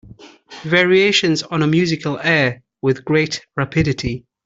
Variations on a musical air With great rapidity.